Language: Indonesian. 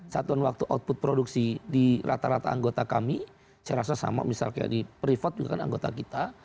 satuan waktu output produksi di rata rata anggota kami saya rasa sama misal kayak di privat juga kan anggota kita